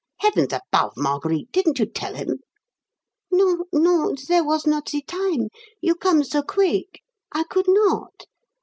Heavens above, Marguerite, didn't you tell him?" "Non, non! There was not ze time. You come so quick, I could not.